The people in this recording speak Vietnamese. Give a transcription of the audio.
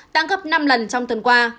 tăng cấp năm lần trong tuần qua